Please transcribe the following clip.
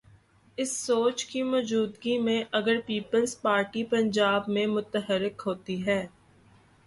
اس سوچ کی موجودگی میں، اگر پیپلز پارٹی پنجاب میں متحرک ہوتی ہے۔